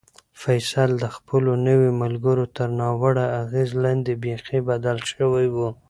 فیصل د خپلو نویو ملګرو تر ناوړه اغېز لاندې بیخي بدل شوی و.